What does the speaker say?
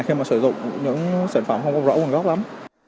khi mà sử dụng những sản phẩm không có rõ nguồn gốc lắm